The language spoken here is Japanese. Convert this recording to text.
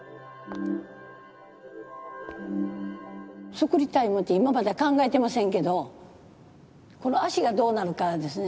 作りたいものって今まで考えてませんけどこの足がどうなるかですね。